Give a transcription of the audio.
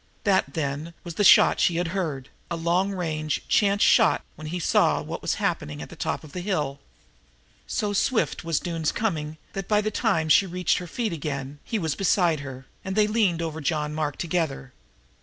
That, then, was the shot she had heard a long range chance shot when he saw what was happening on top of the hill. So swift was Doone's coming that, by the time she had reached her feet again, he was beside her, and they leaned over John Mark together.